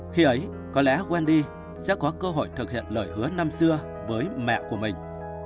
khi ấy có lẽ wandy sẽ có cơ hội thực hiện lời hứa năm xưa với mẹ của mình